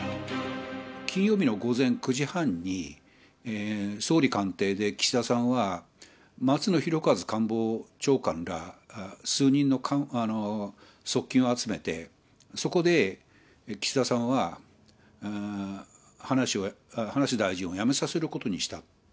金曜日の午前９時半に、総理官邸で岸田さんは、松野博一官房長官ら数人の側近を集めて、そこで岸田さんは、葉梨大臣を辞めさせることにした。